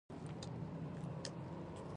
یا به په کوټوالۍ کې د لنډ وخت لپاره ساتل کېدل.